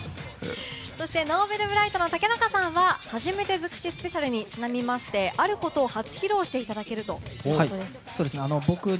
そしてＮｏｖｅｌｂｒｉｇｈｔの竹中さんは初めて尽くしスペシャルにちなみましてあることを初披露してくれるということですが。